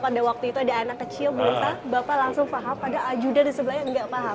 pada waktu itu ada anak kecil beruntang